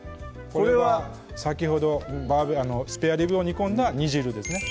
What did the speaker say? これは先ほどスペアリブを煮込んだ煮汁ですね